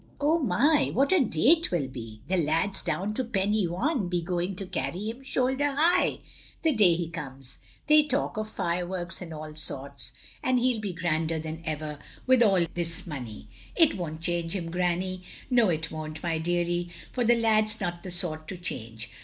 "" Oh, my, what a day *t will be — ^the lads down to Pen y waiin be goiag to carry him shoulder high the day he comes — ^they talk of fireworks and all sorts. And he *11 be grander than ever, with all this money. " It won't change him. Granny. "No, it won't, my deary, for the lad 's not the sort to change.